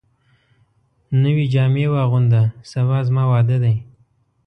نوي جامي واغونده ، سبا زما واده دی